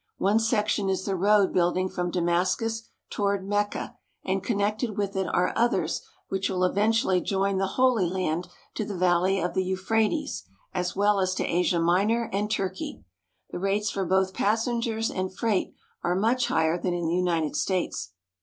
One section is the road building from Damascus toward Mecca, and connected with it are others which will eventually join the Holy Land to the valley of the Euphrates, as well as to Asia Minor and Turkey. The rates for both passengers and freight are much higher than in the United States.